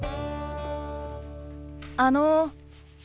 あの。